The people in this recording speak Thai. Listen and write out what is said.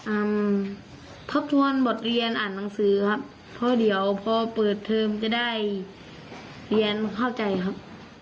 ทบทวนบทเรียนอ่านหนังสือครับเพราะเดี๋ยวพอเปิดเทอมจะได้เรียนเข้าใจครับ